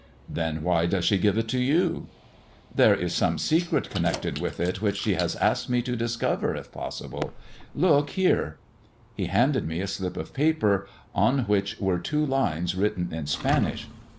" Then why does she give it to you 1 "" There is some secret connected with it, which she hai asked me to discover if possible. Look here. He handed me a slip of paper, on which were two linei written in Spanish.